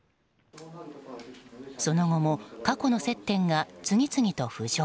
その後も過去の接点が次々と浮上。